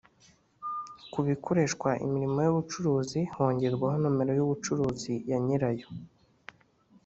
kubikoreshwa imirimo y’ubucuruzi hongerwaho nomero y’ubucuruzi ya nyiracyo